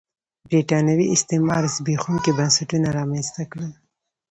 برېټانوي استعمار زبېښونکي بنسټونه رامنځته کړل.